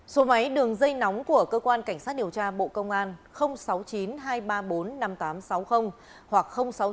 số máy đường dây nóng của cơ quan cảnh sát điều tra bộ công an sáu mươi chín hai trăm ba mươi bốn năm nghìn tám trăm sáu mươi hoặc sáu mươi chín hai trăm ba mươi một một nghìn sáu trăm